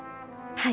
はい。